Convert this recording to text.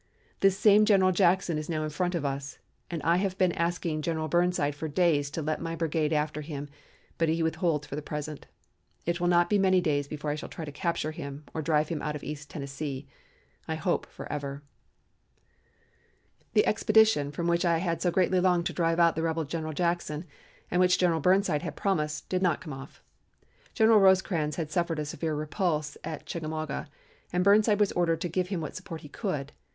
This same General Jackson is now in front of us, and I have been asking General Burnside for days to let my brigade after him, but he withholds for the present. It will not be many days before I shall try to capture him or drive him out of East Tennessee, I hope forever." The expedition from which I had so greatly longed to drive out the rebel General Jackson, and which General Burnside had promised, did not come off. General Rosecrans had suffered a severe repulse at Chickamauga, and Burnside was ordered to give him what support he could.